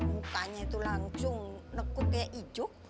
mukanya itu langsung nekuk kayak ijuk